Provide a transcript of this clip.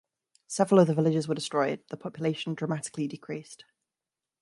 Several of the villages were destroyed, the population dramatically decreased.